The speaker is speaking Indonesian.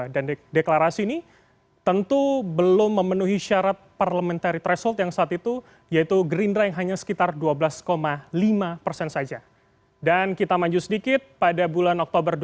dan deklarasi ini tentu belum memenuhi syarat parliamentary threshold yang saat itu yaitu gerindra yang hanya sekitar dua belas tahun